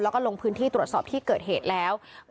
แล้วก็ลงพื้นที่ตรวจสอบที่เกิดเหตุแล้ว